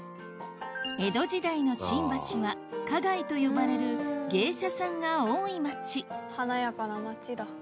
江戸時代の新橋は花街と呼ばれる芸者さんが多い町華やかな町だ。